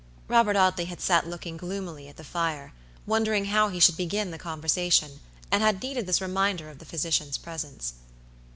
Robert Audley had sat looking gloomily at the fire, wondering how he should begin the conversation, and had needed this reminder of the physician's presence.